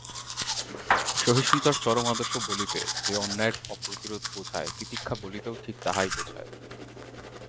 সহিষ্ণুতার চরম আদর্শ বলিতে যে অন্যায়ের অপ্রতিরোধ বোঝায়, তিতিক্ষা বলিতেও ঠিক তাহাই বোঝায়।